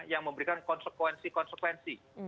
yang memberikan konsekuensi konsekuensi